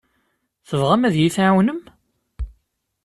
Tebɣam ad iyi-tɛiwnem?